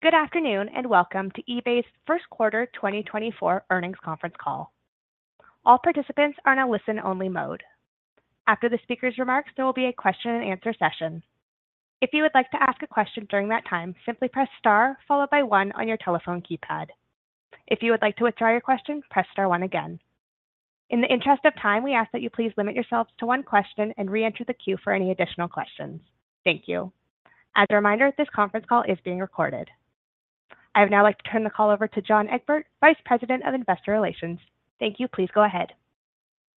Good afternoon, and welcome to eBay's first quarter 2024 earnings conference call. All participants are in a listen-only mode. After the speaker's remarks, there will be a question-and-answer session. If you would like to ask a question during that time, simply press star followed by one on your telephone keypad. If you would like to withdraw your question, press star one again. In the interest of time, we ask that you please limit yourselves to one question and reenter the queue for any additional questions. Thank you. As a reminder, this conference call is being recorded. I would now like to turn the call over to John Egbert, Vice President of Investor Relations. Thank you. Please go ahead.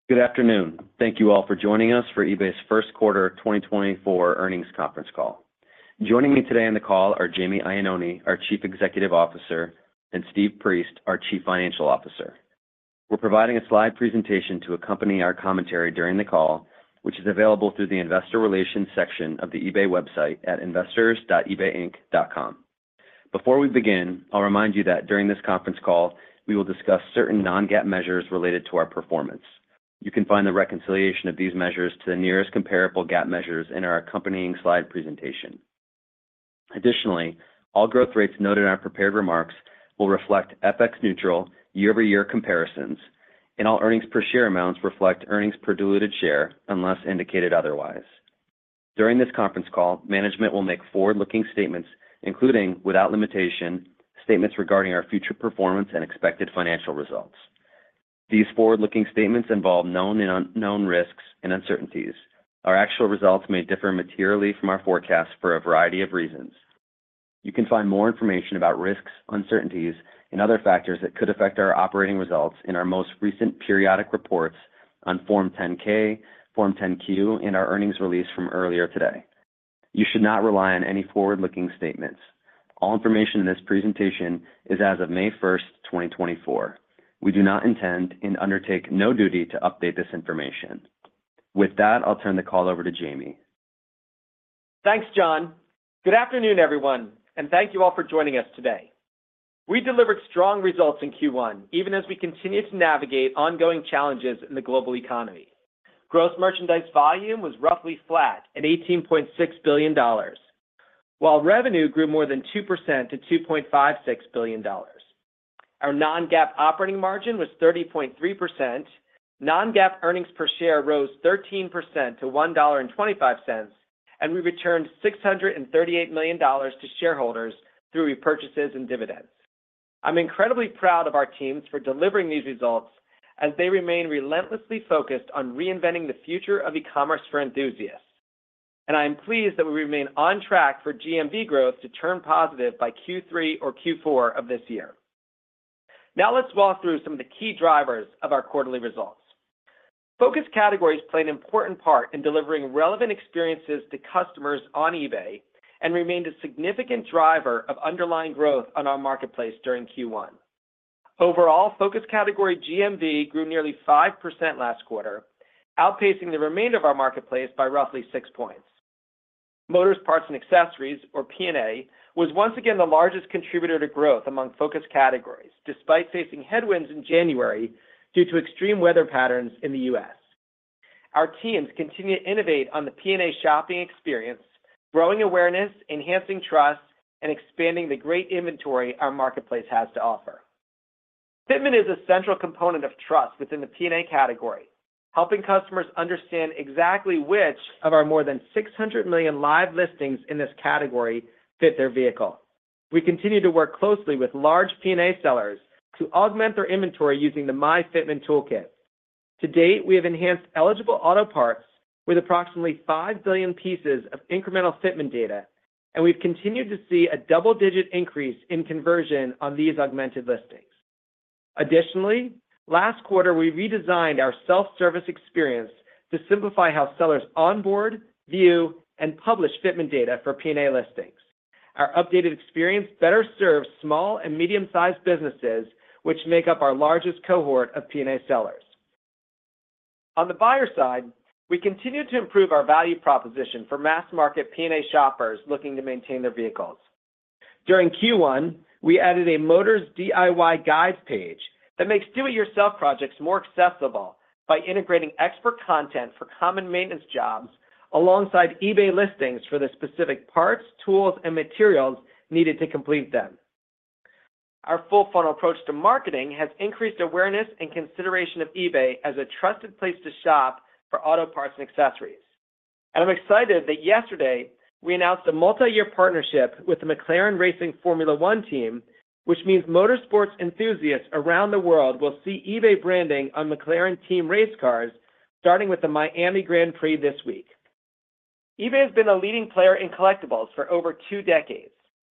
Good afternoon. Thank you all for joining us for eBay's first quarter 2024 earnings conference call. Joining me today on the call are Jamie Iannone, our Chief Executive Officer, and Steve Priest, our Chief Financial Officer. We're providing a slide presentation to accompany our commentary during the call, which is available through the Investor Relations section of the eBay website at investors.ebayinc.com. Before we begin, I'll remind you that during this conference call, we will discuss certain non-GAAP measures related to our performance. You can find the reconciliation of these measures to the nearest comparable GAAP measures in our accompanying slide presentation. Additionally, all growth rates noted in our prepared remarks will reflect FX neutral year-over-year comparisons, and all earnings per share amounts reflect earnings per diluted share unless indicated otherwise. During this conference call, management will make forward-looking statements, including, without limitation, statements regarding our future performance and expected financial results. These forward-looking statements involve known and unknown risks and uncertainties. Our actual results may differ materially from our forecast for a variety of reasons. You can find more information about risks, uncertainties, and other factors that could affect our operating results in our most recent periodic reports on Form 10-K, Form 10-Q, and our earnings release from earlier today. You should not rely on any forward-looking statements. All information in this presentation is as of May 1st, 2024. We do not intend and undertake no duty to update this information. With that, I'll turn the call over to Jamie. Thanks, John. Good afternoon, everyone, and thank you all for joining us today. We delivered strong results in Q1, even as we continue to navigate ongoing challenges in the global economy. Gross merchandise volume was roughly flat at $18.6 billion, while revenue grew more than 2% to $2.56 billion. Our non-GAAP operating margin was 30.3%. Non-GAAP earnings per share rose 13% to $1.25, and we returned $638 million to shareholders through repurchases and dividends. I'm incredibly proud of our teams for delivering these results as they remain relentlessly focused on reinventing the future of e-commerce for enthusiasts, and I am pleased that we remain on track for GMV growth to turn positive by Q3 or Q4 of this year. Now let's walk through some of the key drivers of our quarterly results. Focus categories play an important part in delivering relevant experiences to customers on eBay and remained a significant driver of underlying growth on our marketplace during Q1. Overall, focus category GMV grew nearly 5% last quarter, outpacing the remainder of our marketplace by roughly 6 points. Motors, Parts & Accessories, or P&A, was once again the largest contributor to growth among focus categories, despite facing headwinds in January due to extreme weather patterns in the U.S. Our teams continue to innovate on the P&A shopping experience, growing awareness, enhancing trust, and expanding the great inventory our marketplace has to offer. Fitment is a central component of trust within the P&A category, helping customers understand exactly which of our more than 600 million live listings in this category fit their vehicle. We continue to work closely with large P&A sellers to augment their inventory using the myFitment toolkit. To date, we have enhanced eligible auto parts with approximately 5 billion pieces of incremental fitment data, and we've continued to see a double-digit increase in conversion on these augmented listings. Additionally, last quarter, we redesigned our self-service experience to simplify how sellers onboard, view, and publish fitment data for P&A listings. Our updated experience better serves small and medium-sized businesses, which make up our largest cohort of P&A sellers. On the buyer side, we continue to improve our value proposition for mass-market P&A shoppers looking to maintain their vehicles. During Q1, we added a Motors DIY and Guides page that makes do-it-yourself projects more accessible by integrating expert content for common maintenance jobs alongside eBay listings for the specific parts, tools, and materials needed to complete them. Our full funnel approach to marketing has increased awareness and consideration of eBay as a trusted place to shop for auto Parts & Accessories. I'm excited that yesterday we announced a multi-year partnership with the McLaren Racing Formula One team, which means motorsports enthusiasts around the world will see eBay branding on McLaren team race cars, starting with the Miami Grand Prix this week. eBay has been a leading player in collectibles for over two decades,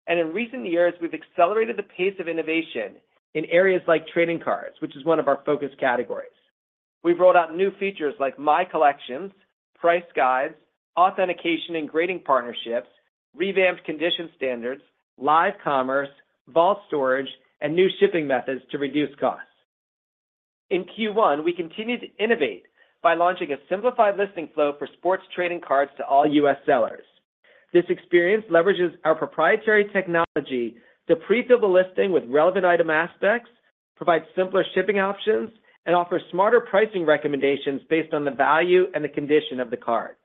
and in recent years, we've accelerated the pace of innovation in areas like trading cards, which is one of our focus categories. We've rolled out new features like My Collection, price guides, authentication and grading partnerships, revamped condition standards, live commerce, vault storage, and new shipping methods to reduce costs. In Q1, we continued to innovate by launching a simplified listing flow for sports trading cards to all U.S. sellers. This experience leverages our proprietary technology to pre-fill the listing with relevant item aspects, provide simpler shipping options, and offer smarter pricing recommendations based on the value and the condition of the card.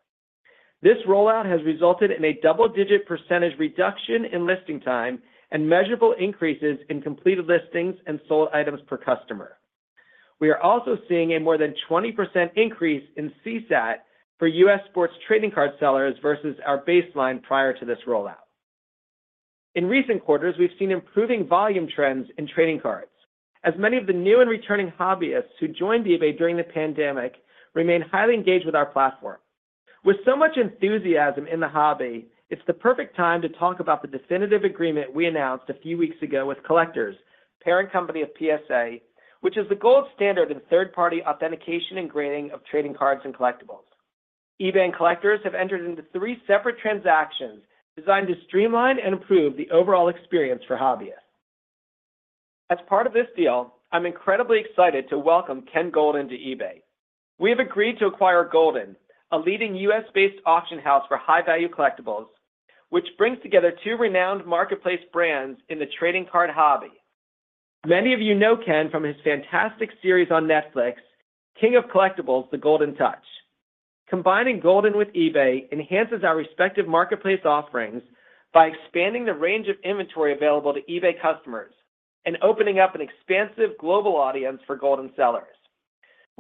This rollout has resulted in a double-digit percentage reduction in listing time and measurable increases in completed listings and sold items per customer. We are also seeing a more than 20% increase in CSAT for U.S. sports trading card sellers versus our baseline prior to this rollout. In recent quarters, we've seen improving volume trends in trading cards, as many of the new and returning hobbyists who joined eBay during the pandemic remain highly engaged with our platform. With so much enthusiasm in the hobby, it's the perfect time to talk about the definitive agreement we announced a few weeks ago with Collectors, parent company of PSA, which is the gold standard in third-party authentication and grading of trading cards and collectibles. eBay and Collectors have entered into three separate transactions designed to streamline and improve the overall experience for hobbyists. As part of this deal, I'm incredibly excited to welcome Ken Goldin to eBay. We have agreed to acquire Goldin, a leading U.S.-based auction house for high-value collectibles, which brings together two renowned marketplace brands in the trading card hobby. Many of you know Ken from his fantastic series on Netflix, King of Collectibles: The Goldin Touch. Combining Goldin with eBay enhances our respective marketplace offerings by expanding the range of inventory available to eBay customers and opening up an expansive global audience for Goldin sellers.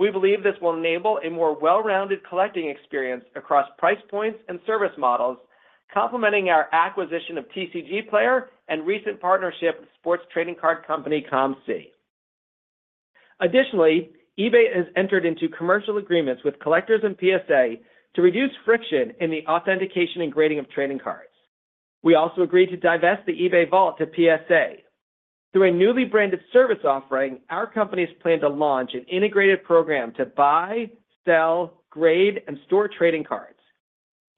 We believe this will enable a more well-rounded collecting experience across price points and service models, complementing our acquisition of TCGplayer and recent partnership with sports trading card company, COMC. Additionally, eBay has entered into commercial agreements with Collectors and PSA to reduce friction in the authentication and grading of trading cards. We also agreed to divest the eBay Vault to PSA. Through a newly branded service offering, our companies plan to launch an integrated program to buy, sell, grade, and store trading cards.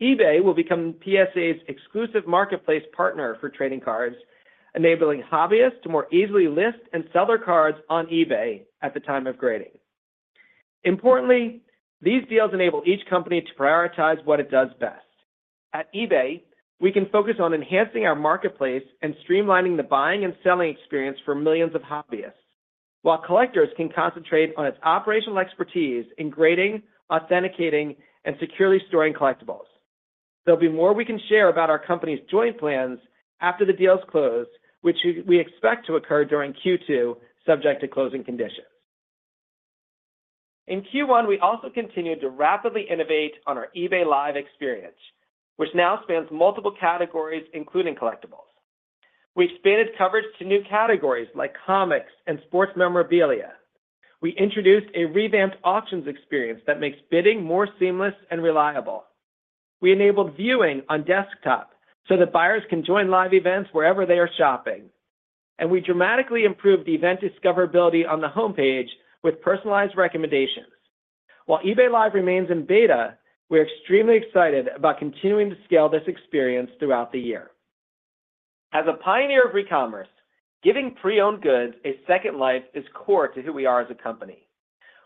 eBay will become PSA's exclusive marketplace partner for trading cards, enabling hobbyists to more easily list and sell their cards on eBay at the time of grading. Importantly, these deals enable each company to prioritize what it does best. At eBay, we can focus on enhancing our marketplace and streamlining the buying and selling experience for millions of hobbyists, while Collectors can concentrate on its operational expertise in grading, authenticating, and securely storing collectibles. There'll be more we can share about our company's joint plans after the deals close, which we expect to occur during Q2, subject to closing conditions. In Q1, we also continued to rapidly innovate on our eBay Live experience, which now spans multiple categories, including collectibles. We've expanded coverage to new categories, like comics and sports memorabilia. We introduced a revamped auctions experience that makes bidding more seamless and reliable. We enabled viewing on desktop so that buyers can join live events wherever they are shopping, and we dramatically improved the event discoverability on the homepage with personalized recommendations. While eBay Live remains in beta, we're extremely excited about continuing to scale this experience throughout the year. As a pioneer of re-commerce, giving pre-owned goods a second life is core to who we are as a company.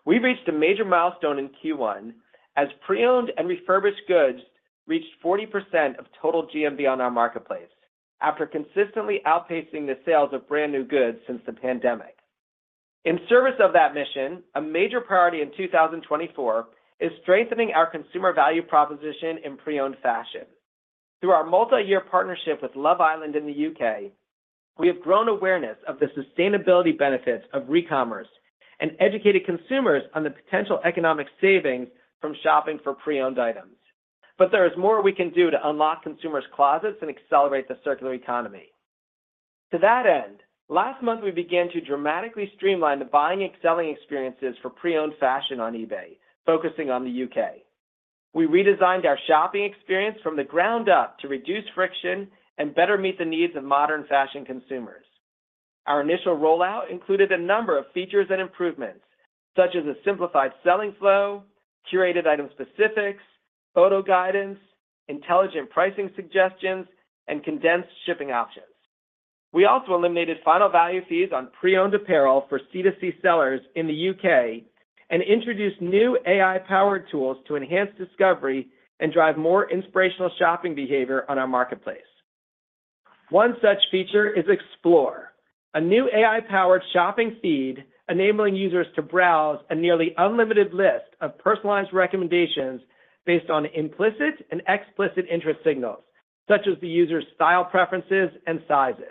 We reached a major milestone in Q1, as pre-owned and refurbished goods reached 40% of total GMV on our marketplace, after consistently outpacing the sales of brand-new goods since the pandemic. In service of that mission, a major priority in 2024 is strengthening our consumer value proposition in pre-owned fashion. Through our multi-year partnership with Love Island in the U.K., we have grown awareness of the sustainability benefits of re-commerce and educated consumers on the potential economic savings from shopping for pre-owned items. But there is more we can do to unlock consumers' closets and accelerate the circular economy. To that end, last month, we began to dramatically streamline the buying and selling experiences for pre-owned fashion on eBay, focusing on the U.K. We redesigned our shopping experience from the ground up to reduce friction and better meet the needs of modern fashion consumers. Our initial rollout included a number of features and improvements, such as a simplified selling flow, curated item specifics, photo guidance, intelligent pricing suggestions, and condensed shipping options. We also eliminated final value fees on pre-owned apparel for C2C sellers in the U.K. and introduced new AI-powered tools to enhance discovery and drive more inspirational shopping behavior on our marketplace. One such feature is Explore, a new AI-powered shopping feed enabling users to browse a nearly unlimited list of personalized recommendations based on implicit and explicit interest signals, such as the user's style preferences and sizes.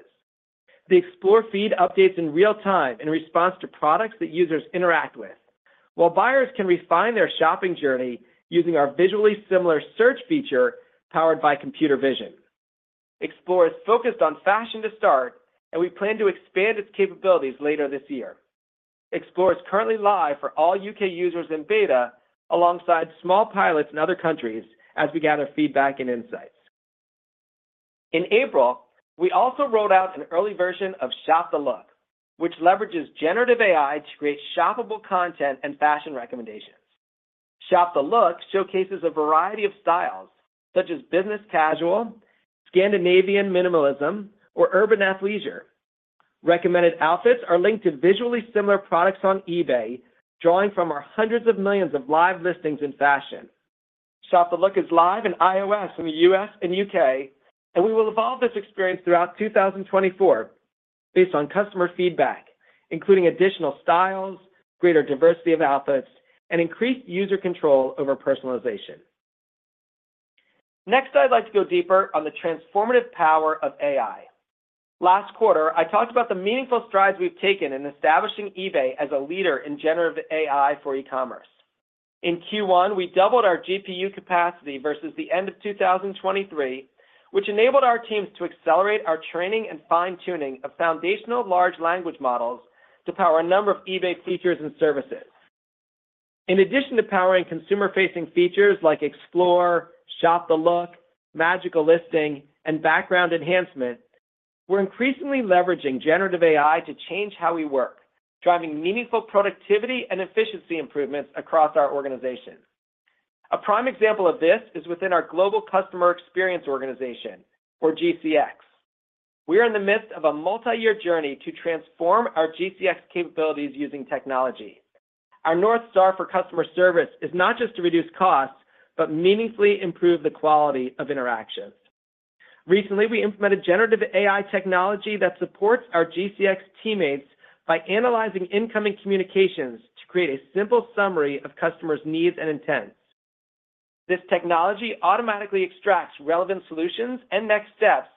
The Explore feed updates in real time in response to products that users interact with, while buyers can refine their shopping journey using our visually similar search feature, powered by computer vision. Explore is focused on fashion to start, and we plan to expand its capabilities later this year. Explore is currently live for all U.K. users in beta, alongside small pilots in other countries as we gather feedback and insights. In April, we also rolled out an early version of Shop the Look, which leverages generative AI to create shoppable content and fashion recommendations. Shop the look showcases a variety of styles, such as business casual, Scandinavian minimalism, or urban athleisure. Recommended outfits are linked to visually similar products on eBay, drawing from our hundreds of millions of live listings in fashion. Shop the look is live in iOS in the U.S. and U.K., and we will evolve this experience throughout 2024 based on customer feedback, including additional styles, greater diversity of outfits, and increased user control over personalization. Next, I'd like to go deeper on the transformative power of AI. Last quarter, I talked about the meaningful strides we've taken in establishing eBay as a leader in generative AI for e-commerce. In Q1, we doubled our GPU capacity versus the end of 2023, which enabled our teams to accelerate our training and fine-tuning of foundational large language models to power a number of eBay features and services. In addition to powering consumer-facing features like Explore, Shop the Look, Magical Listing, and background enhancement, we're increasingly leveraging generative AI to change how we work, driving meaningful productivity and efficiency improvements across our organization. A prime example of this is within our Global Customer Experience organization, or GCX. We are in the midst of a multi-year journey to transform our GCX capabilities using technology. Our North Star for customer service is not just to reduce costs, but meaningfully improve the quality of interactions. Recently, we implemented generative AI technology that supports our GCX teammates by analyzing incoming communications to create a simple summary of customers' needs and intents. This technology automatically extracts relevant solutions and next steps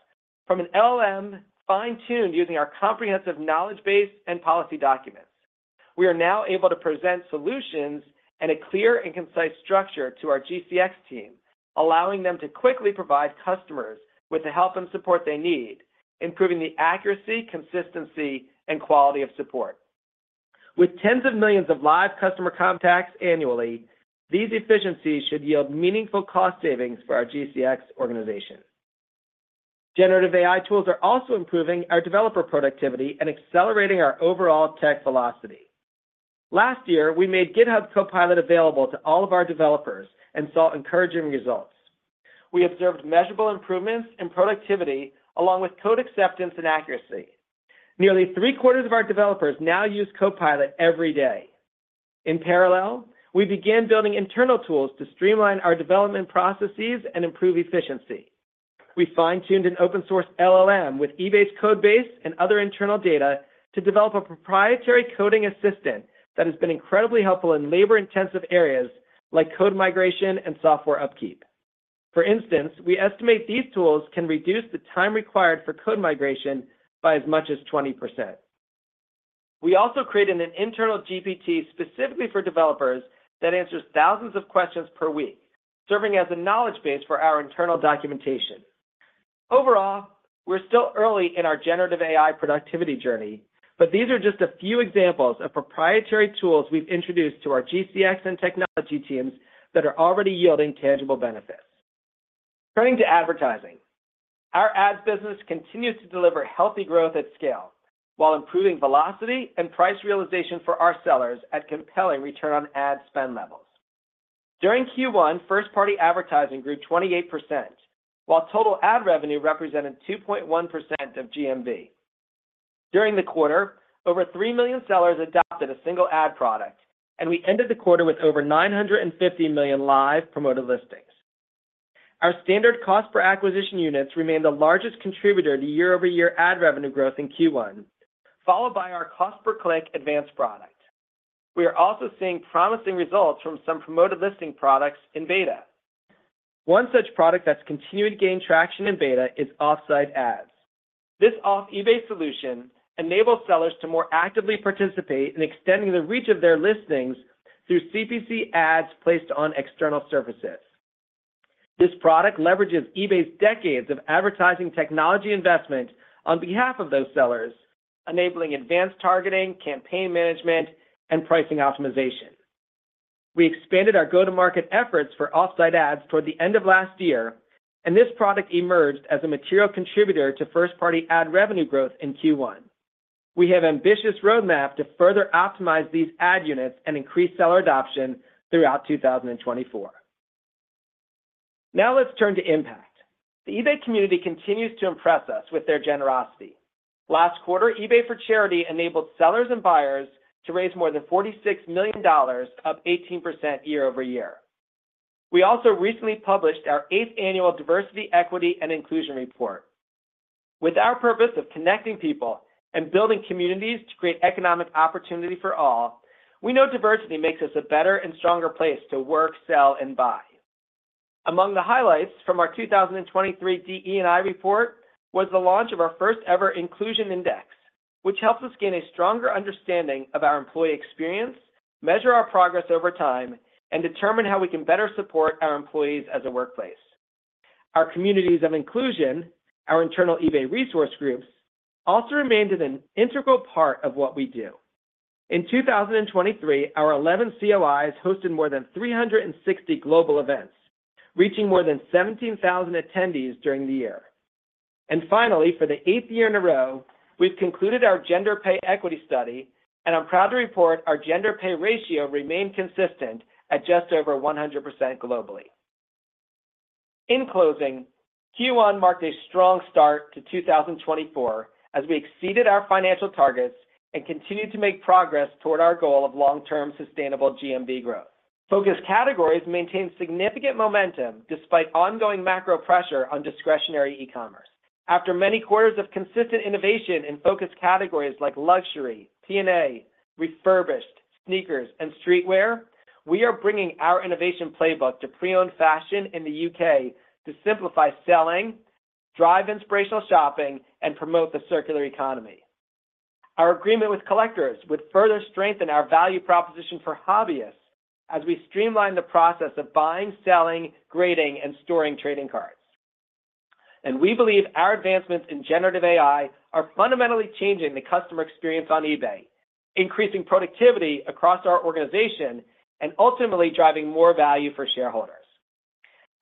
from an LLM fine-tuned using our comprehensive knowledge base and policy documents. We are now able to present solutions in a clear and concise structure to our GCX team, allowing them to quickly provide customers with the help and support they need, improving the accuracy, consistency, and quality of support. With tens of millions of live customer contacts annually, these efficiencies should yield meaningful cost savings for our GCX organization. Generative AI tools are also improving our developer productivity and accelerating our overall tech velocity. Last year, we made GitHub Copilot available to all of our developers and saw encouraging results. We observed measurable improvements in productivity, along with code acceptance and accuracy. Nearly three-quarters of our developers now use Copilot every day. In parallel, we began building internal tools to streamline our development processes and improve efficiency. We fine-tuned an open source LLM with eBay's code base and other internal data to develop a proprietary coding assistant that has been incredibly helpful in labor-intensive areas like code migration and software upkeep. For instance, we estimate these tools can reduce the time required for code migration by as much as 20%. We also created an internal GPT specifically for developers that answers thousands of questions per week, serving as a knowledge base for our internal documentation. Overall, we're still early in our generative AI productivity journey, but these are just a few examples of proprietary tools we've introduced to our GCX and technology teams that are already yielding tangible benefits. Turning to advertising. Our ads business continues to deliver healthy growth at scale while improving velocity and price realization for our sellers at compelling return on ad spend levels. During Q1, first-party advertising grew 28%, while total ad revenue represented 2.1% of GMV. During the quarter, over 3 million sellers adopted a single ad product, and we ended the quarter with over 950 million live promoted listings. Our standard cost per acquisition units remained the largest contributor to year-over-year ad revenue growth in Q1, followed by our cost per click advanced product. We are also seeing promising results from some promoted listing products in beta. One such product that's continued to gain traction in beta is Offsite Ads. This off-eBay solution enables sellers to more actively participate in extending the reach of their listings through CPC ads placed on external services. This product leverages eBay's decades of advertising technology investment on behalf of those sellers, enabling advanced targeting, campaign management, and pricing optimization. We expanded our go-to-market efforts for Offsite Ads toward the end of last year, and this product emerged as a material contributor to first-party ad revenue growth in Q1. We have ambitious roadmap to further optimize these ad units and increase seller adoption throughout 2024. Now let's turn to impact. The eBay community continues to impress us with their generosity. Last quarter, eBay for Charity enabled sellers and buyers to raise more than $46 million, up 18% year-over-year. We also recently published our eighth annual Diversity, Equity, and Inclusion report. With our purpose of connecting people and building communities to create economic opportunity for all, we know diversity makes us a better and stronger place to work, sell, and buy. Among the highlights from our 2023 DE&I report was the launch of our first-ever Inclusion Index, which helps us gain a stronger understanding of our employee experience, measure our progress over time, and determine how we can better support our employees as a workplace. Our Communities of Inclusion, our internal eBay resource groups, also remained an integral part of what we do. In 2023, our 11 COIs hosted more than 360 global events, reaching more than 17,000 attendees during the year. And finally, for the eighth year in a row, we've concluded our gender pay equity study, and I'm proud to report our gender pay ratio remained consistent at just over 100% globally. In closing, Q1 marked a strong start to 2024 as we exceeded our financial targets and continued to make progress toward our goal of long-term sustainable GMV growth... Focus categories maintained significant momentum despite ongoing macro pressure on discretionary e-commerce. After many quarters of consistent innovation in focus categories like luxury, P&A, refurbished, sneakers, and streetwear, we are bringing our innovation playbook to pre-owned fashion in the U.K. to simplify selling, drive inspirational shopping, and promote the circular economy. Our agreement with Collectors would further strengthen our value proposition for hobbyists as we streamline the process of buying, selling, grading, and storing trading cards. We believe our advancements in generative AI are fundamentally changing the customer experience on eBay, increasing productivity across our organization, and ultimately driving more value for shareholders.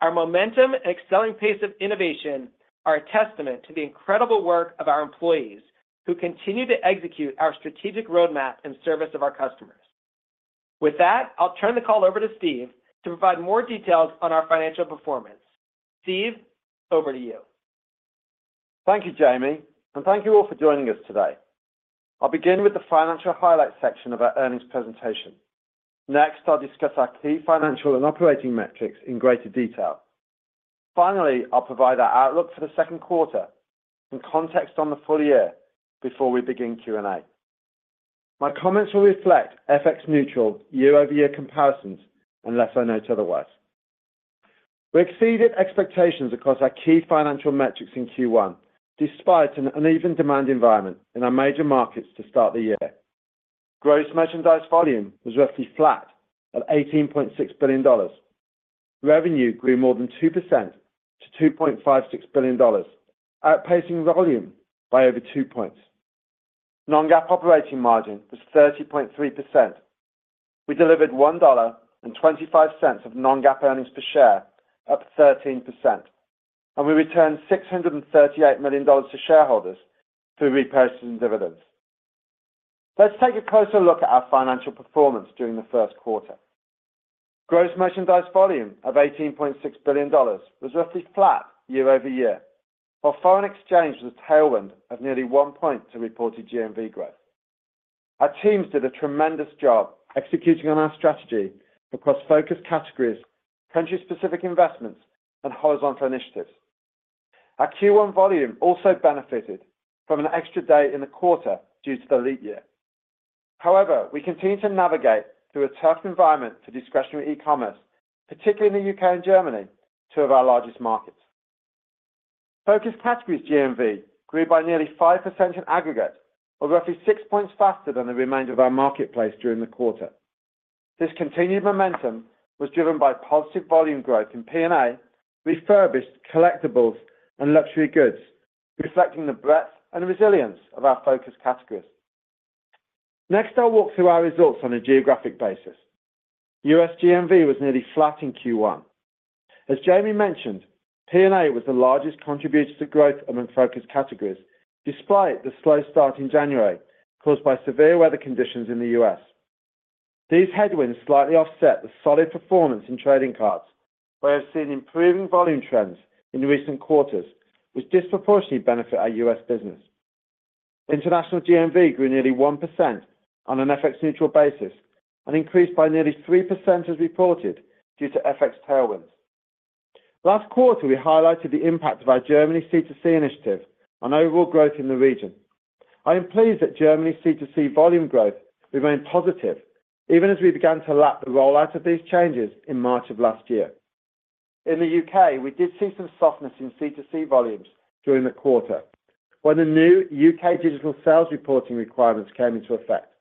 Our momentum and accelerating pace of innovation are a testament to the incredible work of our employees, who continue to execute our strategic roadmap in service of our customers. With that, I'll turn the call over to Steve to provide more details on our financial performance. Steve, over to you. Thank you, Jamie, and thank you all for joining us today. I'll begin with the financial highlights section of our earnings presentation. Next, I'll discuss our key financial and operating metrics in greater detail. Finally, I'll provide our outlook for the second quarter and context on the full year before we begin Q&A. My comments will reflect FX neutral year-over-year comparisons unless I note otherwise. We exceeded expectations across our key financial metrics in Q1, despite an uneven demand environment in our major markets to start the year. Gross merchandise volume was roughly flat at $18.6 billion. Revenue grew more than 2% to $2.56 billion, outpacing volume by over 2 points. Non-GAAP operating margin was 30.3%. We delivered $1.25 of non-GAAP earnings per share, up 13%, and we returned $638 million to shareholders through repurchase and dividends. Let's take a closer look at our financial performance during the first quarter. Gross Merchandise Volume of $18.6 billion was roughly flat year-over-year, while foreign exchange was a tailwind of nearly 1 point to reported GMV growth. Our teams did a tremendous job executing on our strategy across focus categories, country-specific investments, and horizontal initiatives. Our Q1 volume also benefited from an extra day in the quarter due to the leap year. However, we continue to navigate through a tough environment for discretionary e-commerce, particularly in the U.K. and Germany, two of our largest markets. Focus categories GMV grew by nearly 5% in aggregate, or roughly 6 points faster than the remainder of our marketplace during the quarter. This continued momentum was driven by positive volume growth in P&A, refurbished, collectibles, and luxury goods, reflecting the breadth and resilience of our focus categories. Next, I'll walk through our results on a geographic basis. U.S. GMV was nearly flat in Q1. As Jamie mentioned, P&A was the largest contributor to growth among focus categories, despite the slow start in January, caused by severe weather conditions in the U.S. These headwinds slightly offset the solid performance in trading cards, where we've seen improving volume trends in recent quarters, which disproportionately benefit our U.S. business. International GMV grew nearly 1% on an FX neutral basis and increased by nearly 3% as reported due to FX tailwinds. Last quarter, we highlighted the impact of our Germany C2C initiative on overall growth in the region. I am pleased that Germany C2C volume growth remained positive, even as we began to lap the rollout of these changes in March of last year. In the U.K., we did see some softness in C2C volumes during the quarter, when the new U.K. digital sales reporting requirements came into effect.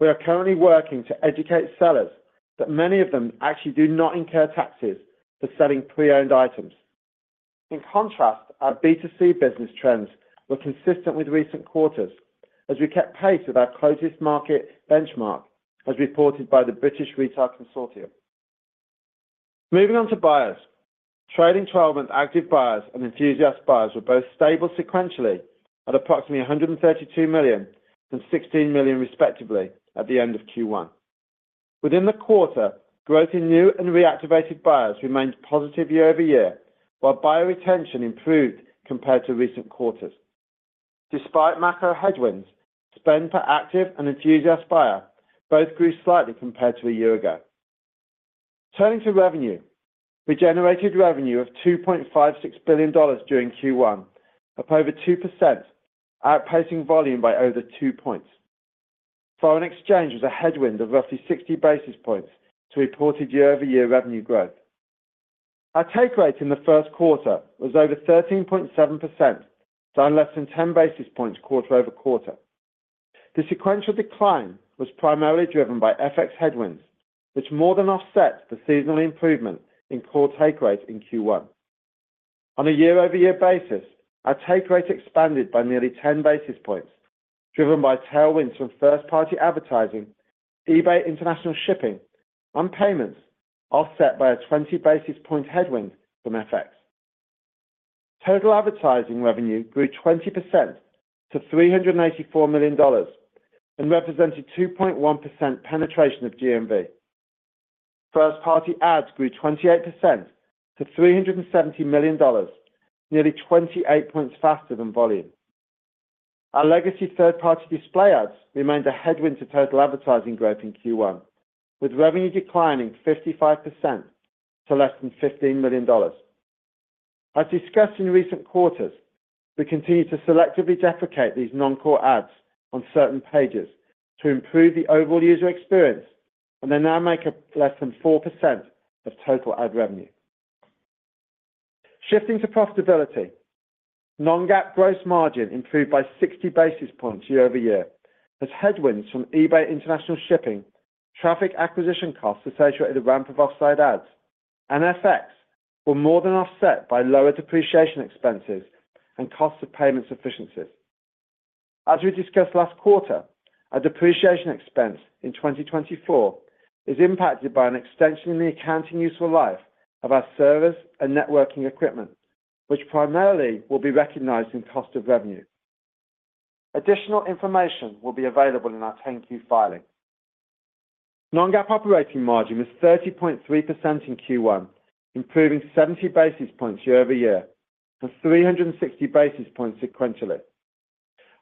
We are currently working to educate sellers that many of them actually do not incur taxes for selling pre-owned items. In contrast, our B2C business trends were consistent with recent quarters as we kept pace with our closest market benchmark, as reported by the British Retail Consortium. Moving on to buyers. Trailing 12-month active buyers and enthusiast buyers were both stable sequentially at approximately 132 million and 16 million, respectively, at the end of Q1. Within the quarter, growth in new and reactivated buyers remained positive year-over-year, while buyer retention improved compared to recent quarters. Despite macro headwinds, spend per active and enthusiast buyer both grew slightly compared to a year ago. Turning to revenue, we generated revenue of $2.56 billion during Q1, up over 2%, outpacing volume by over 2 points. Foreign exchange was a headwind of roughly 60 basis points to reported year-over-year revenue growth. Our take rate in the first quarter was over 13.7%, down less than 10 basis points quarter-over-quarter. The sequential decline was primarily driven by FX headwinds, which more than offset the seasonal improvement in core take rates in Q1. On a year-over-year basis, our take rate expanded by nearly 10 basis points, driven by tailwinds from first-party advertising, eBay International Shipping, and payments, offset by a 20 basis point headwind from FX. Total advertising revenue grew 20% to $384 million and represented 2.1% penetration of GMV. First-party ads grew 28% to $370 million, nearly 28 points faster than volume.... Our legacy third-party display ads remained a headwind to total advertising growth in Q1, with revenue declining 55% to less than $15 million. As discussed in recent quarters, we continue to selectively deprecate these non-core ads on certain pages to improve the overall user experience, and they now make up less than 4% of total ad revenue. Shifting to profitability, non-GAAP gross margin improved by 60 basis points year-over-year, as headwinds from eBay International Shipping, traffic acquisition costs associated with the ramp of Offsite Ads, and FX were more than offset by lower depreciation expenses and cost of payments efficiencies. As we discussed last quarter, our depreciation expense in 2024 is impacted by an extension in the accounting useful life of our servers and networking equipment, which primarily will be recognized in cost of revenue. Additional information will be available in our 10-Q filing. Non-GAAP operating margin was 30.3% in Q1, improving 70 basis points year-over-year, and 360 basis points sequentially.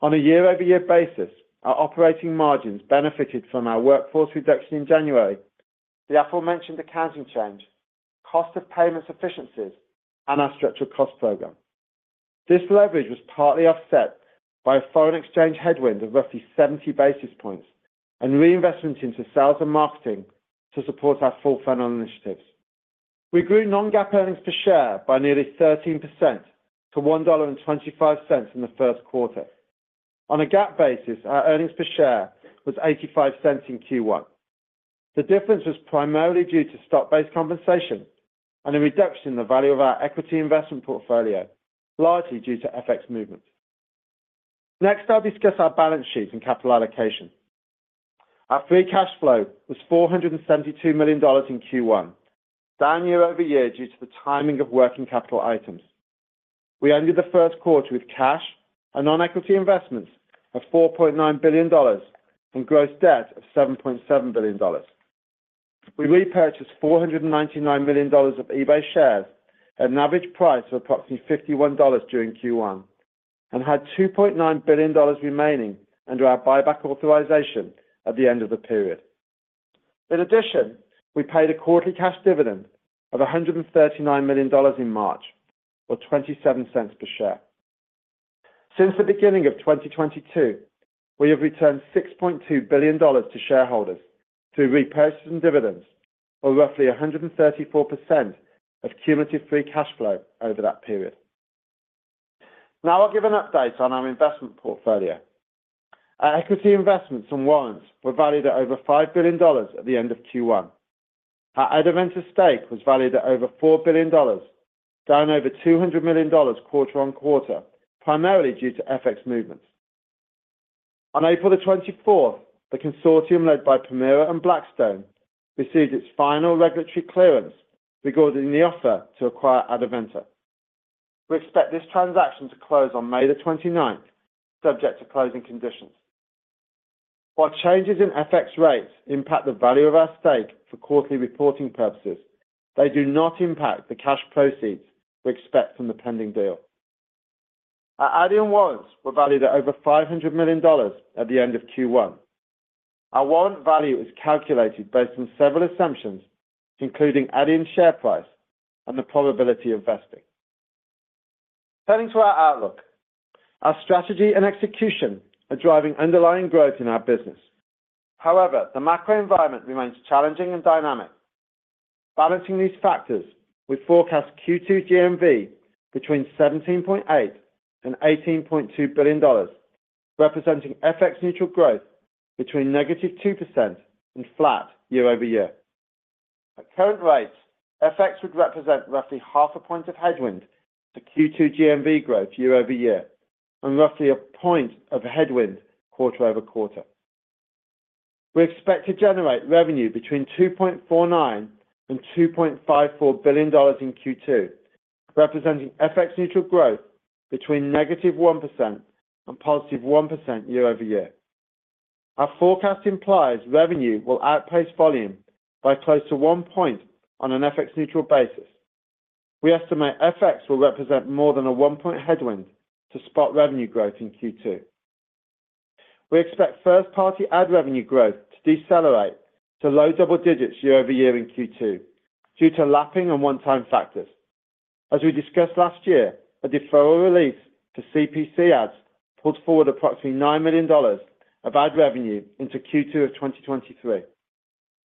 On a year-over-year basis, our operating margins benefited from our workforce reduction in January, the aforementioned accounting change, cost of payments efficiencies, and our structural cost program. This leverage was partly offset by a foreign exchange headwind of roughly 70 basis points and reinvestment into sales and marketing to support our full funnel initiatives. We grew non-GAAP earnings per share by nearly 13% to $1.25 in the first quarter. On a GAAP basis, our earnings per share was $0.85 in Q1. The difference was primarily due to stock-based compensation and a reduction in the value of our equity investment portfolio, largely due to FX movements. Next, I'll discuss our balance sheet and capital allocation. Our free cash flow was $472 million in Q1, down year-over-year due to the timing of working capital items. We ended the first quarter with cash and non-equity investments of $4.9 billion, and gross debt of $7.7 billion. We repurchased $499 million of eBay shares at an average price of approximately $51 during Q1, and had $2.9 billion remaining under our buyback authorization at the end of the period. In addition, we paid a quarterly cash dividend of $139 million in March, or $0.27 per share. Since the beginning of 2022, we have returned $6.2 billion to shareholders through repurchases and dividends, or roughly 134% of cumulative free cash flow over that period. Now I'll give an update on our investment portfolio. Our equity investments and warrants were valued at over $5 billion at the end of Q1. Our Adevinta stake was valued at over $4 billion, down over $200 million quarter-over-quarter, primarily due to FX movements. On April the 24th, the consortium led by Permira and Blackstone received its final regulatory clearance regarding the offer to acquire Adevinta. We expect this transaction to close on May the 29th, subject to closing conditions. While changes in FX rates impact the value of our stake for quarterly reporting purposes, they do not impact the cash proceeds we expect from the pending deal. Our Adyen warrants were valued at over $500 million at the end of Q1. Our warrant value is calculated based on several assumptions, including Adyen share price and the probability of vesting. Turning to our outlook. Our strategy and execution are driving underlying growth in our business. However, the macro environment remains challenging and dynamic. Balancing these factors, we forecast Q2 GMV between $17.8 billion and $18.2 billion, representing FX-neutral growth between -2% and flat year-over-year. At current rates, FX would represent roughly 0.5 point of headwind to Q2 GMV growth year-over-year, and roughly 1 point of headwind quarter-over-quarter. We expect to generate revenue between $2.49 billion and $2.54 billion in Q2, representing FX-neutral growth between -1% and +1% year-over-year. Our forecast implies revenue will outpace volume by close to 1 point on an FX-neutral basis. We estimate FX will represent more than a 1-point headwind to spot revenue growth in Q2. We expect first-party ad revenue growth to decelerate to low double digits year-over-year in Q2 due to lapping and one-time factors. As we discussed last year, a deferral release for CPC ads pulled forward approximately $9 million of ad revenue into Q2 of 2023.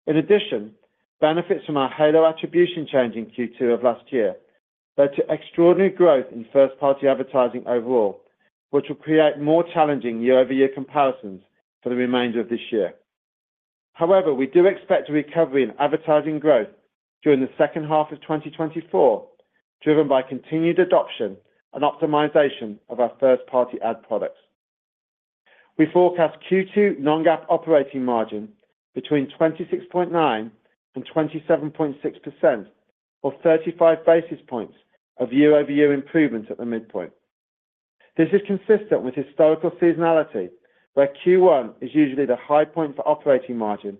In addition, benefits from our Halo attribution change in Q2 of last year led to extraordinary growth in first-party advertising overall, which will create more challenging year-over-year comparisons for the remainder of this year. However, we do expect a recovery in advertising growth during the second half of 2024, driven by continued adoption and optimization of our first-party ad products. We forecast Q2 non-GAAP operating margin between 26.9% and 27.6%, or 35 basis points of year-over-year improvement at the midpoint. This is consistent with historical seasonality, where Q1 is usually the high point for operating margin,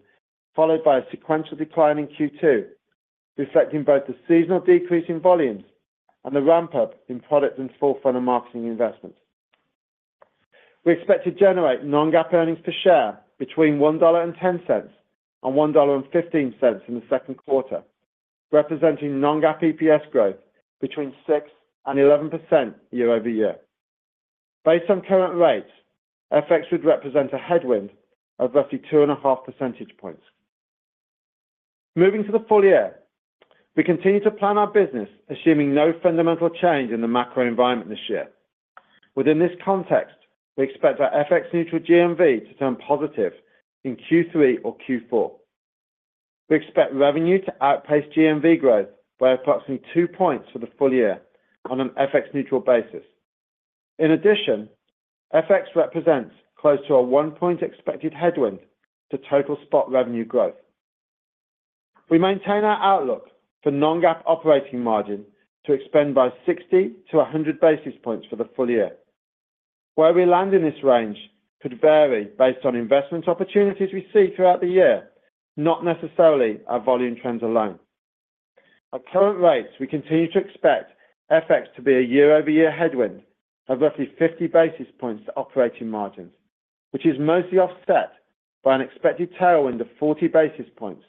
followed by a sequential decline in Q2.... Reflecting both the seasonal decrease in volumes and the ramp-up in product and full funnel marketing investments. We expect to generate non-GAAP earnings per share between $1.10 and $1.15 in the second quarter, representing non-GAAP EPS growth between 6% and 11% year-over-year. Based on current rates, FX would represent a headwind of roughly 2.5 percentage points. Moving to the full year, we continue to plan our business, assuming no fundamental change in the macro environment this year. Within this context, we expect our FX-neutral GMV to turn positive in Q3 or Q4. We expect revenue to outpace GMV growth by approximately 2 points for the full year on an FX-neutral basis. In addition, FX represents close to a 1-point expected headwind to total spot revenue growth. We maintain our outlook for non-GAAP operating margin to expand by 60 basis points-100 basis points for the full year. Where we land in this range could vary based on investment opportunities we see throughout the year, not necessarily our volume trends alone. At current rates, we continue to expect FX to be a year-over-year headwind of roughly 50 basis points to operating margins, which is mostly offset by an expected tailwind of 40 basis points,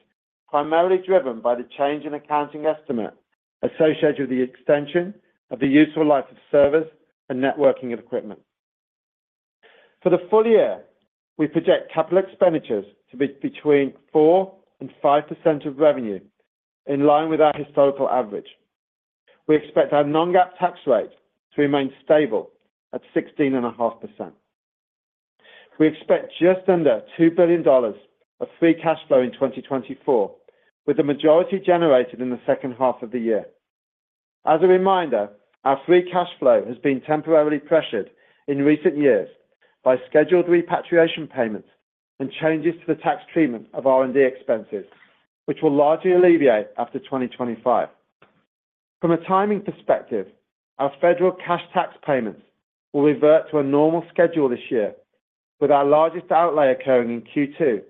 primarily driven by the change in accounting estimate associated with the extension of the useful life of servers and networking equipment. For the full year, we project capital expenditures to be between 4% and 5% of revenue, in line with our historical average. We expect our non-GAAP tax rate to remain stable at 16.5%. We expect just under $2 billion of free cash flow in 2024, with the majority generated in the second half of the year. As a reminder, our free cash flow has been temporarily pressured in recent years by scheduled repatriation payments and changes to the tax treatment of R&D expenses, which will largely alleviate after 2025. From a timing perspective, our federal cash tax payments will revert to a normal schedule this year, with our largest outlay occurring in Q2,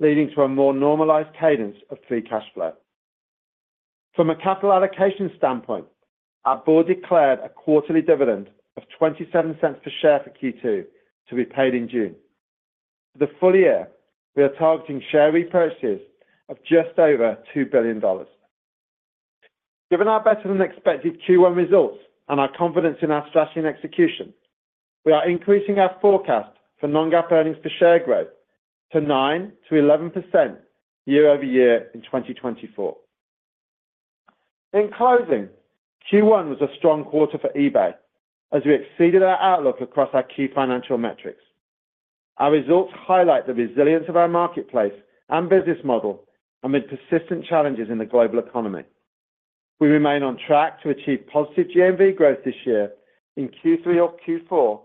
leading to a more normalized cadence of free cash flow. From a capital allocation standpoint, our board declared a quarterly dividend of $0.27 per share for Q2 to be paid in June. For the full year, we are targeting share repurchases of just over $2 billion. Given our better-than-expected Q1 results and our confidence in our strategy and execution, we are increasing our forecast for non-GAAP earnings per share growth to 9%-11% year-over-year in 2024. In closing, Q1 was a strong quarter for eBay as we exceeded our outlook across our key financial metrics. Our results highlight the resilience of our marketplace and business model amid persistent challenges in the global economy. We remain on track to achieve positive GMV growth this year in Q3 or Q4,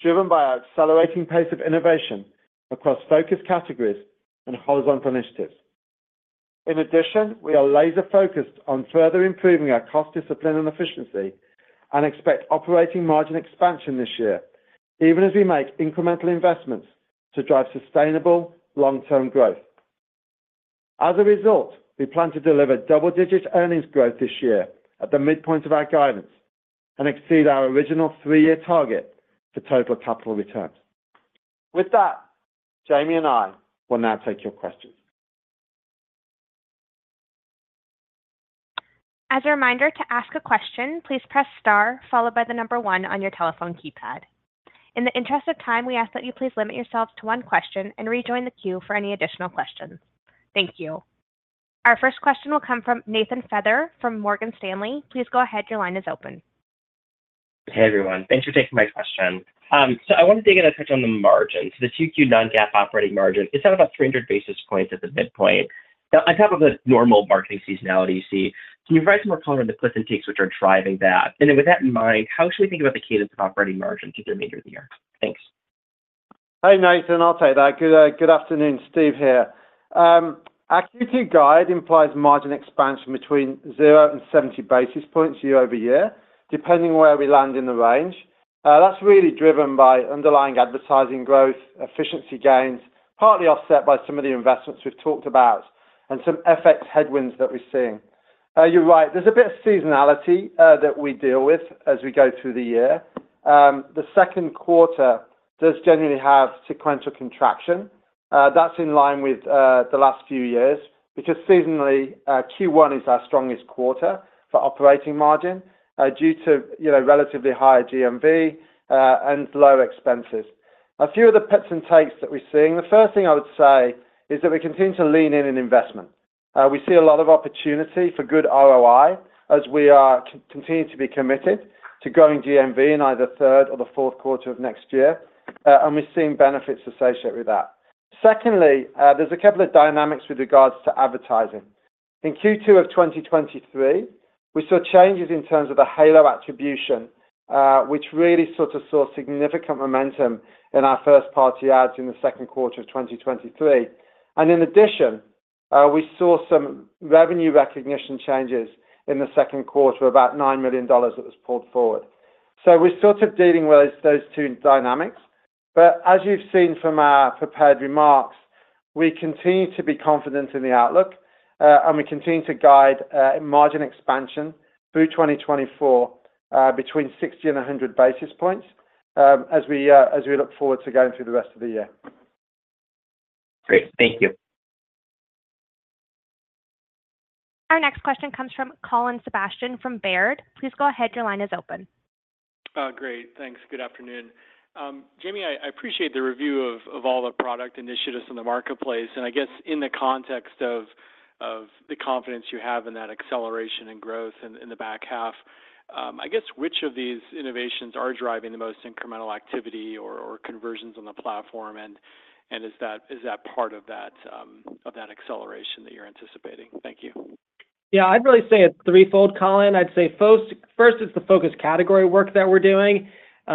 driven by our accelerating pace of innovation across focus categories and horizontal initiatives. In addition, we are laser-focused on further improving our cost discipline and efficiency and expect operating margin expansion this year, even as we make incremental investments to drive sustainable long-term growth. As a result, we plan to deliver double-digit earnings growth this year at the midpoint of our guidance and exceed our original three-year target for total capital returns. With that, Jamie and I will now take your questions. As a reminder, to ask a question, please press star followed by the number one on your telephone keypad. In the interest of time, we ask that you please limit yourselves to one question and rejoin the queue for any additional questions. Thank you. Our first question will come from Nathan Feather from Morgan Stanley. Please go ahead. Your line is open. Hey, everyone. Thanks for taking my question. So, I wanted to get a touch on the margins, the Q2 non-GAAP operating margin is out about 300 basis points at the midpoint. Now, on top of the normal marketing seasonality you see, can you provide some more color on the cliffs and takes, which are driving that? And then with that in mind, how should we think about the cadence of operating margin through the remainder of the year? Thanks. Hey, Nathan. I'll take that. Good afternoon, Steve here. Our Q2 guide implies margin expansion between 0 and 70 basis points year-over-year, depending where we land in the range. That's really driven by underlying advertising growth, efficiency gains, partly offset by some of the investments we've talked about and some FX headwinds that we're seeing. You're right, there's a bit of seasonality that we deal with as we go through the year. The second quarter does generally have sequential contraction. That's in line with the last few years, because seasonally, Q1 is our strongest quarter for operating margin, due to, you know, relatively high GMV and low expenses. A few of the puts and takes that we're seeing, the first thing I would say is that we continue to lean in in investment. We see a lot of opportunity for good ROI as we continue to be committed to growing GMV in either third or the fourth quarter of next year, and we're seeing benefits associated with that. Secondly, there's a couple of dynamics with regards to advertising. In Q2 of 2023, we saw changes in terms of the Halo attribution, which really sort of saw significant momentum in our first-party ads in the second quarter of 2023. In addition, we saw some revenue recognition changes in the second quarter, about $9 million that was pulled forward.... So we're sort of dealing with those, those two dynamics. But as you've seen from our prepared remarks, we continue to be confident in the outlook, and we continue to guide margin expansion through 2024, between 60 and 100 basis points, as we, as we look forward to going through the rest of the year. Great. Thank you. Our next question comes from Colin Sebastian from Baird. Please go ahead. Your line is open. Great. Thanks. Good afternoon. Jamie, I appreciate the review of all the product initiatives in the marketplace, and I guess in the context of the confidence you have in that acceleration and growth in the back half, I guess which of these innovations are driving the most incremental activity or conversions on the platform? And is that part of that acceleration that you're anticipating? Thank you. Yeah, I'd really say it's threefold, Colin. I'd say first, it's the focus category work that we're doing.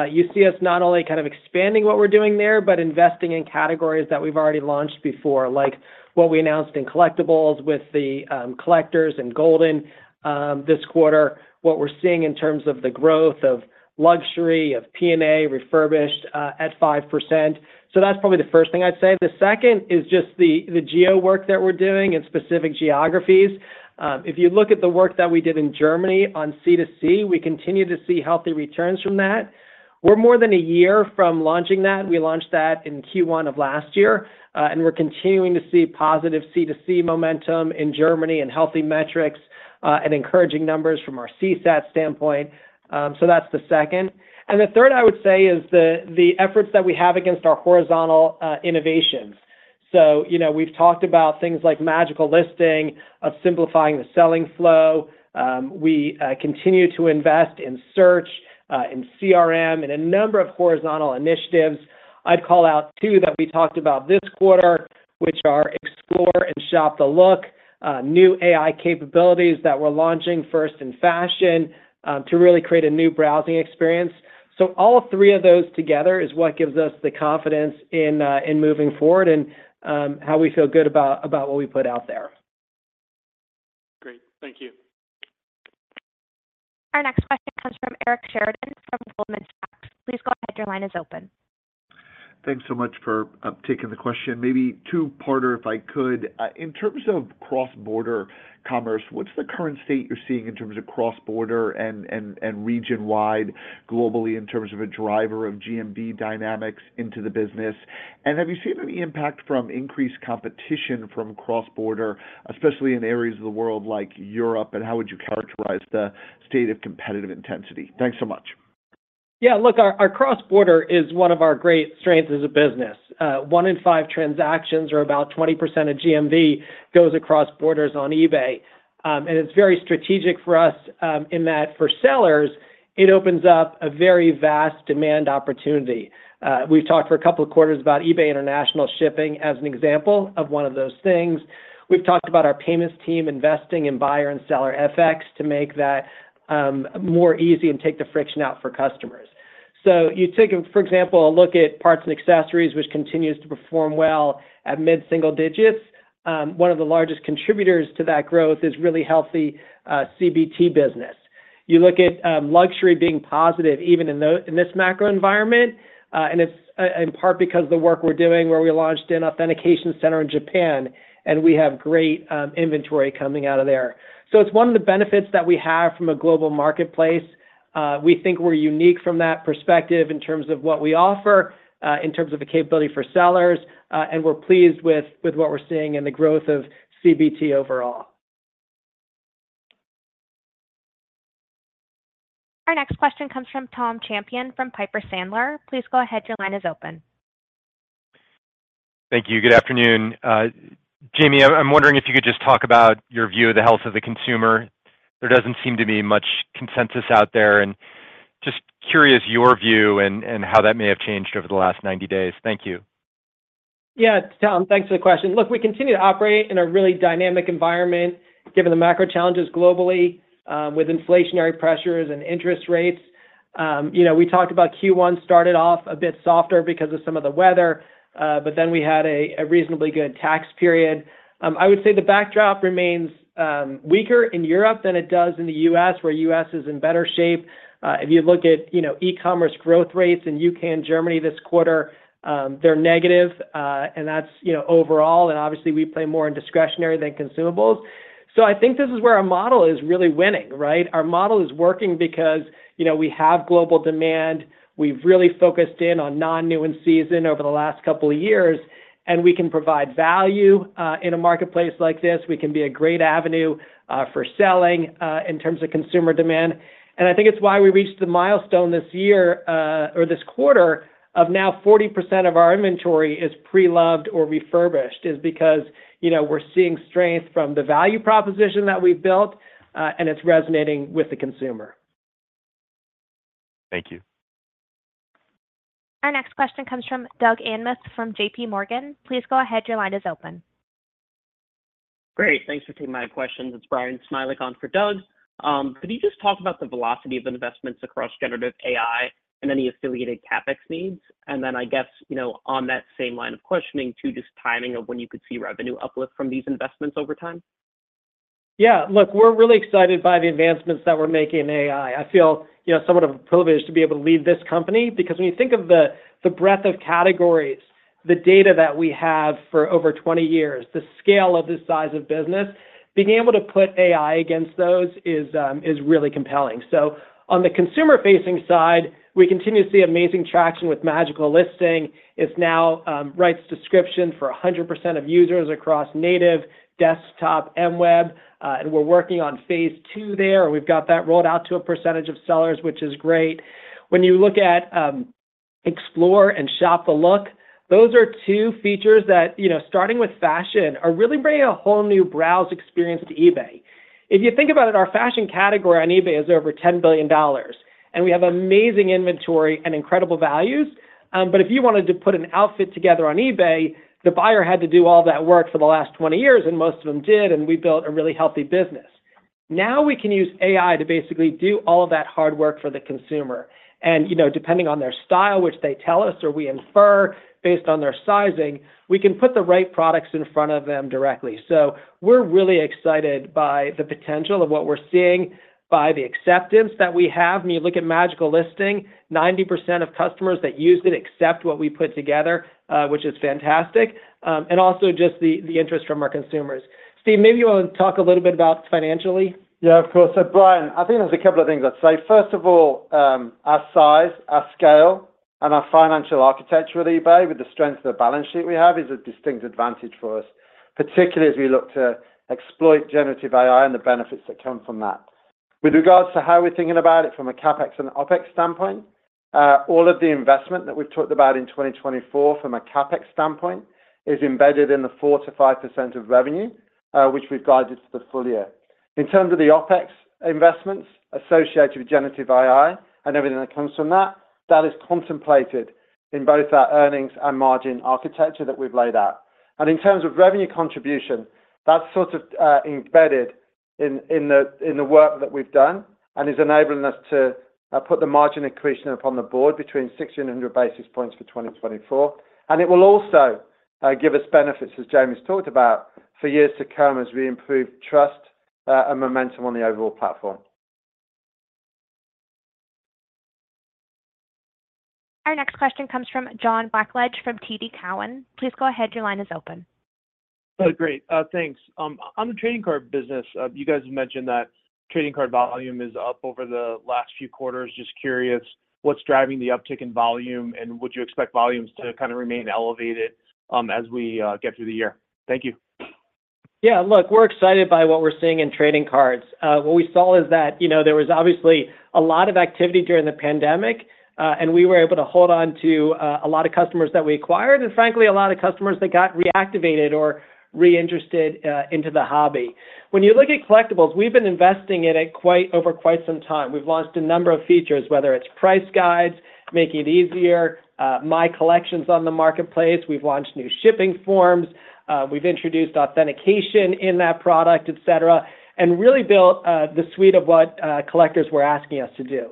You see us not only kind of expanding what we're doing there, but investing in categories that we've already launched before, like what we announced in collectibles with the Collectors and Goldin this quarter, what we're seeing in terms of the growth of luxury, of P&A, refurbished at 5%. So that's probably the first thing I'd say. The second is just the geo work that we're doing in specific geographies. If you look at the work that we did in Germany on C2C, we continue to see healthy returns from that. We're more than a year from launching that. We launched that in Q1 of last year, and we're continuing to see positive C2C momentum in Germany and healthy metrics, and encouraging numbers from our CSAT standpoint. So that's the second. And the third, I would say, is the efforts that we have against our horizontal innovations. So, you know, we've talked about things like Magical Listing, of simplifying the selling flow. We continue to invest in search, in CRM, and a number of horizontal initiatives. I'd call out two that we talked about this quarter, which are Explore and Shop the Look, new AI capabilities that we're launching first in fashion, to really create a new browsing experience. So all three of those together is what gives us the confidence in moving forward and how we feel good about what we put out there. Great. Thank you. Our next question comes from Eric Sheridan from Goldman Sachs. Please go ahead. Your line is open. Thanks so much for taking the question. Maybe two-parter, if I could. In terms of cross-border commerce, what's the current state you're seeing in terms of cross-border and region-wide, globally, in terms of a driver of GMV dynamics into the business? And have you seen any impact from increased competition from cross-border, especially in areas of the world like Europe, and how would you characterize the state of competitive intensity? Thanks so much. Yeah, look, our, our cross-border is one of our great strengths as a business. One in five transactions, or about 20% of GMV, goes across borders on eBay. And it's very strategic for us, in that for sellers, it opens up a very vast demand opportunity. We've talked for a couple of quarters about eBay International Shipping as an example of one of those things. We've talked about our payments team investing in buyer and seller FX to make that, more easy and take the friction out for customers. So you take, for example, a look at Parts & Accessories, which continues to perform well at mid-single digits. One of the largest contributors to that growth is really healthy, CBT business. You look at luxury being positive even in this macro environment, and it's in part because of the work we're doing, where we launched an authentication center in Japan, and we have great inventory coming out of there. So it's one of the benefits that we have from a global marketplace. We think we're unique from that perspective in terms of what we offer in terms of the capability for sellers, and we're pleased with what we're seeing in the growth of CBT overall. Our next question comes from Tom Champion, from Piper Sandler. Please go ahead. Your line is open. Thank you. Good afternoon. Jamie, I'm wondering if you could just talk about your view of the health of the consumer. There doesn't seem to be much consensus out there, and just curious your view and how that may have changed over the last 90 days. Thank you. Yeah, Tom, thanks for the question. Look, we continue to operate in a really dynamic environment, given the macro challenges globally, with inflationary pressures and interest rates. You know, we talked about Q1 started off a bit softer because of some of the weather, but then we had a reasonably good tax period. I would say the backdrop remains weaker in Europe than it does in the U.S., where U.S. is in better shape. If you look at, you know, e-commerce growth rates in U.K. and Germany this quarter, they're negative, and that's, you know, overall, and obviously, we play more in discretionary than consumables. So I think this is where our model is really winning, right? Our model is working because, you know, we have global demand. We've really focused in on non-new and seasonal over the last couple of years, and we can provide value in a marketplace like this. We can be a great avenue for selling in terms of consumer demand. I think it's why we reached the milestone this year or this quarter of now 40% of our inventory is pre-loved or refurbished, is because, you know, we're seeing strength from the value proposition that we've built, and it's resonating with the consumer. Thank you. Our next question comes from Doug Anmuth, from JPMorgan. Please go ahead. Your line is open. Great. Thanks for taking my questions. It's Brian Smilek on for Doug. Could you just talk about the velocity of investments across generative AI and any affiliated CapEx needs? And then, I guess, you know, on that same line of questioning, to just timing of when you could see revenue uplift from these investments over time? ... Yeah, look, we're really excited by the advancements that we're making in AI. I feel, you know, somewhat of a privileged to be able to lead this company, because when you think of the breadth of categories, the data that we have for over 20 years, the scale of this size of business, being able to put AI against those is really compelling. So on the consumer-facing side, we continue to see amazing traction with Magical Listing. It's now writes description for 100% of users across native, desktop, mWeb, and we're working on phase two there, and we've got that rolled out to a percentage of sellers, which is great. When you look at Explore and Shop the Look, those are two features that, you know, starting with fashion, are really bringing a whole new browse experience to eBay. If you think about it, our fashion category on eBay is over $10 billion, and we have amazing inventory and incredible values. But if you wanted to put an outfit together on eBay, the buyer had to do all that work for the last 20 years, and most of them did, and we built a really healthy business. Now, we can use AI to basically do all of that hard work for the consumer, and, you know, depending on their style, which they tell us or we infer based on their sizing, we can put the right products in front of them directly. So we're really excited by the potential of what we're seeing, by the acceptance that we have. When you look at Magical Listing, 90% of customers that use it accept what we put together, which is fantastic, and also just the interest from our consumers. Steve, maybe you want to talk a little bit about financially? Yeah, of course. So, Brian, I think there's a couple of things I'd say. First of all, our size, our scale, and our financial architecture with eBay, with the strength of the balance sheet we have, is a distinct advantage for us, particularly as we look to exploit generative AI and the benefits that come from that. With regards to how we're thinking about it from a CapEx and OpEx standpoint, all of the investment that we've talked about in 2024 from a CapEx standpoint is embedded in the 4%-5% of revenue, which we've guided to the full year. In terms of the OpEx investments associated with generative AI and everything that comes from that, that is contemplated in both our earnings and margin architecture that we've laid out. In terms of revenue contribution, that's sort of embedded in the work that we've done and is enabling us to put the margin accretion upon the board between 60 and 100 basis points for 2024. It will also give us benefits, as Jamie's talked about, for years to come as we improve trust and momentum on the overall platform. Our next question comes from John Blackledge from TD Cowen. Please go ahead. Your line is open. Great. Thanks. On the trading card business, you guys have mentioned that trading card volume is up over the last few quarters. Just curious, what's driving the uptick in volume, and would you expect volumes to kind of remain elevated, as we get through the year? Thank you. Yeah, look, we're excited by what we're seeing in trading cards. What we saw is that, you know, there was obviously a lot of activity during the pandemic, and we were able to hold on to a lot of customers that we acquired, and frankly, a lot of customers that got reactivated or reinterested into the hobby. When you look at collectibles, we've been investing in it quite some time. We've launched a number of features, whether it's price guides, making it easier, My Collection on the marketplace. We've launched new shipping forms, we've introduced authentication in that product, et cetera, and really built the suite of what collectors were asking us to do.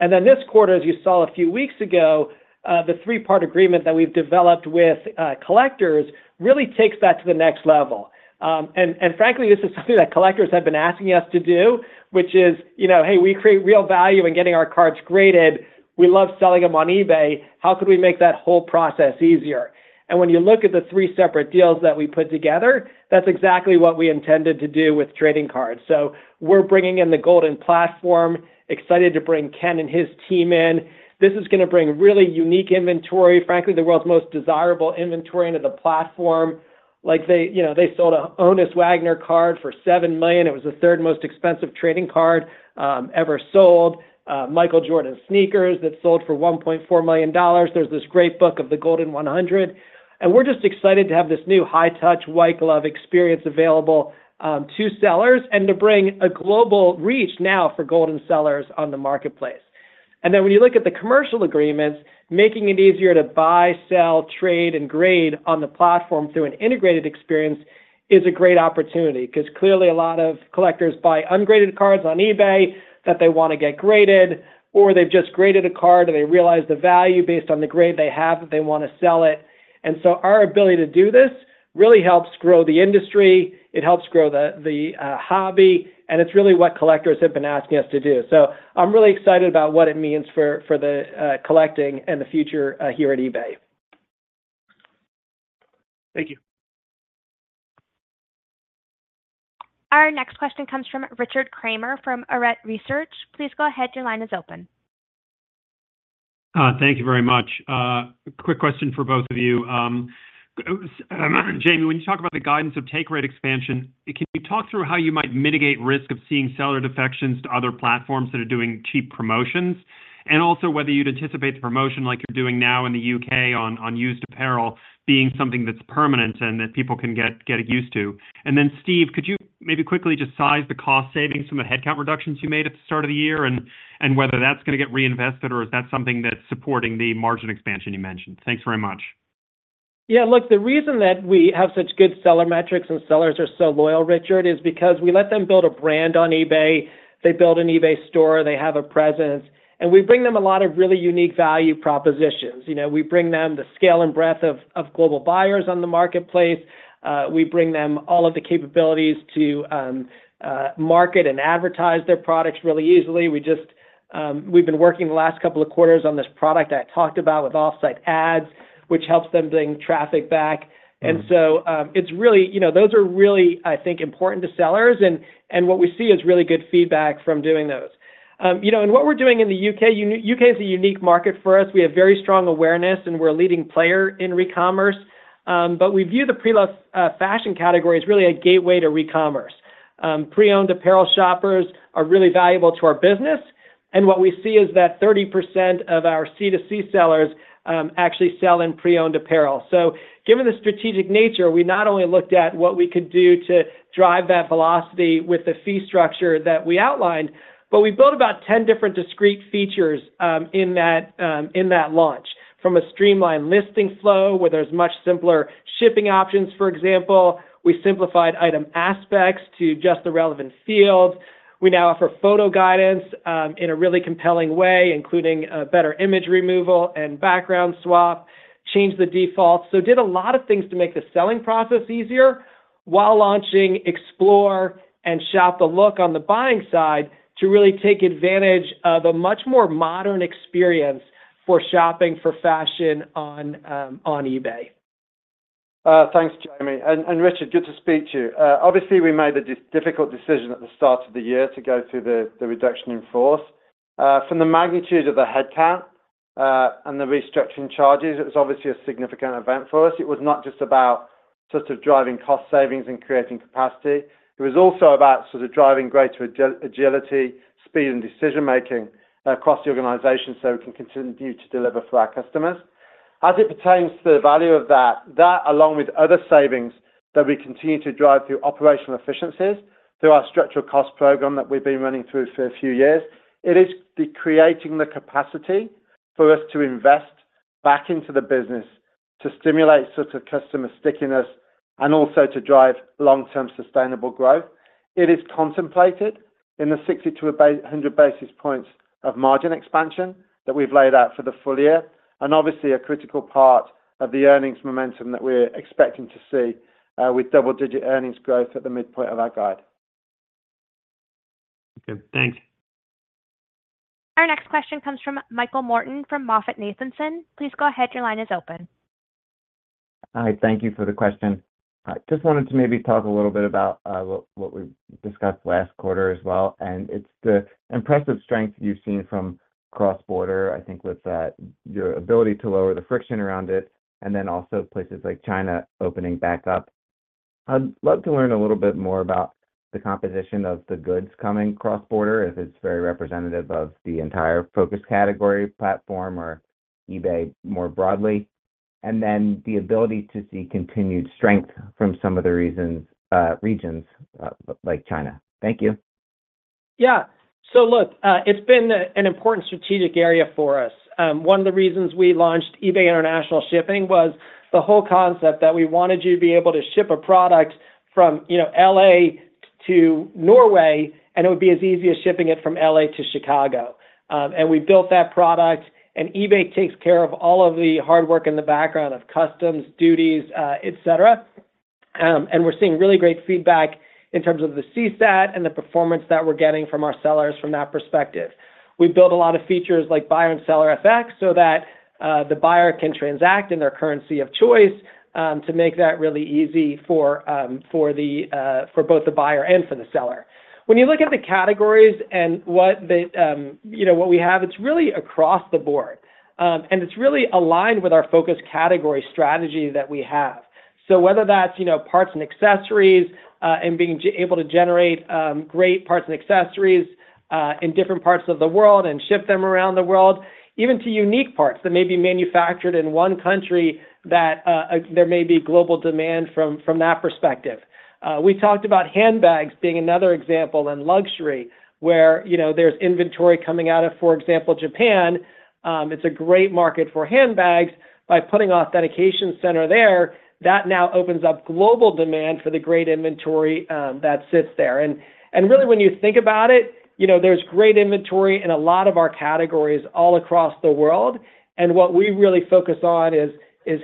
Then this quarter, as you saw a few weeks ago, the three-part agreement that we've developed with Collectors really takes that to the next level. And frankly, this is something that Collectors have been asking us to do, which is: You know, hey, we create real value in getting our cards graded. We love selling them on eBay. How could we make that whole process easier? And when you look at the three separate deals that we put together, that's exactly what we intended to do with trading cards. So we're bringing in the Goldin platform, excited to bring Ken and his team in. This is going to bring really unique inventory, frankly, the world's most desirable inventory into the platform. Like, they, you know, they sold a Honus Wagner card for $7 million. It was the third most expensive trading card ever sold. Michael Jordan's sneakers that sold for $1.4 million. There's this great book of the Goldin 100, and we're just excited to have this new high touch, white glove experience available to sellers and to bring a global reach now for Goldin sellers on the marketplace. Then when you look at the commercial agreements, making it easier to buy, sell, trade, and grade on the platform through an integrated experience is a great opportunity. 'Cause clearly, a lot of collectors buy ungraded cards on eBay that they want to get graded, or they've just graded a card and they realize the value based on the grade they have, that they want to sell it. So our ability to do this really helps grow the industry, it helps grow the hobby, and it's really what collectors have been asking us to do. I'm really excited about what it means for the collecting and the future here at eBay. Thank you. Our next question comes from Richard Kramer from Arete Research. Please go ahead. Your line is open. Thank you very much. Quick question for both of you. Jamie, when you talk about the guidance of take rate expansion, can you talk through how you might mitigate risk of seeing seller defections to other platforms that are doing cheap promotions? And also whether you'd anticipate the promotion like you're doing now in the U.K. on used apparel being something that's permanent and that people can get used to. And then, Steve, could you maybe quickly just size the cost savings from the headcount reductions you made at the start of the year, and whether that's going to get reinvested, or is that something that's supporting the margin expansion you mentioned? Thanks very much. ... Yeah, look, the reason that we have such good seller metrics and sellers are so loyal, Richard, is because we let them build a brand on eBay. They build an eBay store, they have a presence, and we bring them a lot of really unique value propositions. You know, we bring them the scale and breadth of global buyers on the marketplace. We bring them all of the capabilities to market and advertise their products really easily. We just, we've been working the last couple of quarters on this product I talked about with Offsite Ads, which helps them bring traffic back. And so, it's really, you know, those are really, I think, important to sellers, and what we see is really good feedback from doing those. You know, and what we're doing in the U.K., U.K. is a unique market for us. We have very strong awareness, and we're a leading player in recommerce. But we view the pre-loved fashion category as really a gateway to recommerce. Pre-owned apparel shoppers are really valuable to our business, and what we see is that 30% of our C2C sellers actually sell in pre-owned apparel. So given the strategic nature, we not only looked at what we could do to drive that velocity with the fee structure that we outlined, but we built about 10 different discrete features in that launch. From a streamlined listing flow, where there's much simpler shipping options, for example. We simplified item aspects to just the relevant fields. We now offer photo guidance in a really compelling way, including better image removal and background swap, changed the default. So did a lot of things to make the selling process easier, while launching Explore and Shop the Look on the buying side, to really take advantage of a much more modern experience for shopping for fashion on eBay. Thanks, Jamie. And Richard, good to speak to you. Obviously, we made a difficult decision at the start of the year to go through the reduction in force. From the magnitude of the headcount and the restructuring charges, it was obviously a significant event for us. It was not just about sort of driving cost savings and creating capacity. It was also about sort of driving greater agility, speed, and decision-making across the organization so we can continue to deliver for our customers. As it pertains to the value of that, along with other savings that we continue to drive through operational efficiencies, through our structural cost program that we've been running through for a few years, it is creating the capacity for us to invest back into the business to stimulate sort of customer stickiness and also to drive long-term sustainable growth. It is contemplated in the 60 to about 100 basis points of margin expansion that we've laid out for the full year, and obviously, a critical part of the earnings momentum that we're expecting to see with double-digit earnings growth at the midpoint of our guide. Okay, thanks. Our next question comes from Michael Morton, from MoffettNathanson. Please go ahead, your line is open. Hi, thank you for the question. I just wanted to maybe talk a little bit about what, what we discussed last quarter as well, and it's the impressive strength you've seen from cross-border, I think, with that, your ability to lower the friction around it, and then also places like China opening back up. I'd love to learn a little bit more about the composition of the goods coming cross-border, if it's very representative of the entire focus category, platform, or eBay more broadly, and then the ability to see continued strength from some of the reasons, regions, like China. Thank you. Yeah. So look, it's been an important strategic area for us. One of the reasons we launched eBay International Shipping was the whole concept that we wanted you to be able to ship a product from, you know, L.A. to Norway, and it would be as easy as shipping it from L.A. to Chicago. And we built that product, and eBay takes care of all of the hard work in the background of customs, duties, et cetera. And we're seeing really great feedback in terms of the CSAT and the performance that we're getting from our sellers from that perspective. We've built a lot of features like buyer and seller FX, so that the buyer can transact in their currency of choice, to make that really easy for both the buyer and for the seller. When you look at the categories and what the, you know, what we have, it's really across the board. And it's really aligned with our focus category strategy that we have. So whether that's, you know, Parts & Accessories, and being able to generate great Parts & Accessories in different parts of the world and ship them around the world, even to unique parts that may be manufactured in one country that there may be global demand from that perspective. We talked about handbags being another example, and luxury, where, you know, there's inventory coming out of, for example, Japan. It's a great market for handbags. By putting authentication center there, that now opens up global demand for the great inventory that sits there. Really, when you think about it, you know, there's great inventory in a lot of our categories all across the world, and what we really focus on is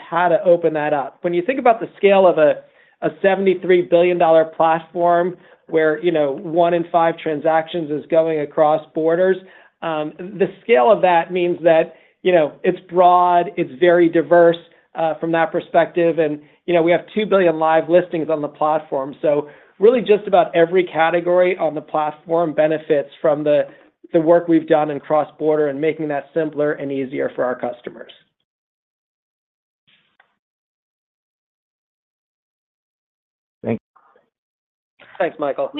how to open that up. When you think about the scale of a $73 billion platform, where, you know, one in five transactions is going across borders, the scale of that means that, you know, it's broad, it's very diverse, from that perspective. You know, we have 2 billion live listings on the platform. So really just about every category on the platform benefits from the work we've done in cross-border and making that simpler and easier for our customers. Thanks. Thanks, Michael.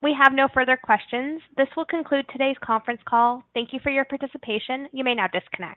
We have no further questions. This will conclude today's conference call. Thank you for your participation. You may now disconnect.